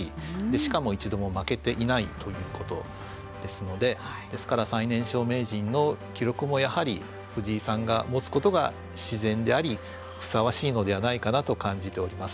しかも一度も負けていないということですのでですから最年少名人の記録もやはり藤井さんが持つことが自然でありふさわしいのではないかなと感じております。